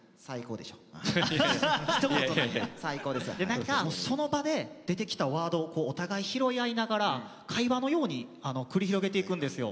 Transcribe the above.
何かその場で出てきたワードをお互い拾い合いながら会話のように繰り広げていくんですよ。